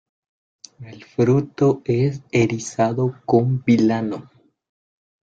El fruto es erizado con vilano.